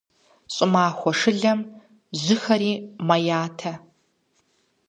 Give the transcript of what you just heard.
ЩӀымахуэ шылэм жьыхэри мэятэ.